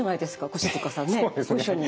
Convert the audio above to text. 越塚さんねご一緒に。